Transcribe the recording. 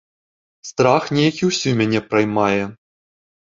Страх нейкі ўсю мяне праймае.